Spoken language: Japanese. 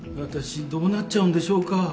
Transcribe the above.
私どうなっちゃうんでしょうか？